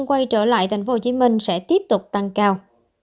quay trở lại tp hcm sẽ tiếp tục tăng cao